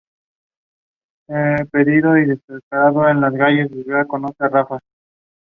Her bachelor of arts thesis was on Antioch student publications.